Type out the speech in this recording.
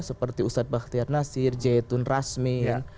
seperti ustaz bakhtiar nasir zaitun rasmin